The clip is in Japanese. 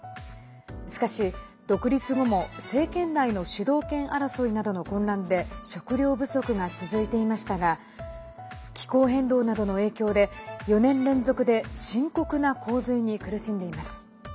しかし、独立後も政権内の主導権争いなどの混乱で食糧不足が続いていましたが気候変動などの影響で４年連続で深刻な洪水に苦しんでいます。